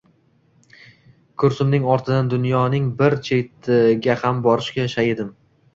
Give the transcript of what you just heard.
Kursimning ortidan dunyoning bir chetiga ham borishga shay edim